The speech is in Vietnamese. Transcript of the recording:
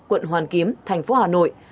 quận hoàn kiếm thành phố hà nội